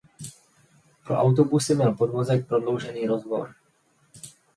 Pro autobusy měl podvozek prodloužený rozvor.